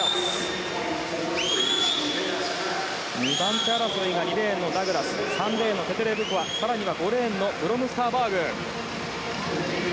２番手争いが２レーンのダグラス３レーンのテテレブコワ更には５レーンのブロムスターバーグ。